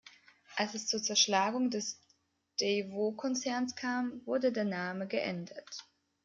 Als es zur Zerschlagung des Daewoo-Konzerns kam, wurde der Name geändert.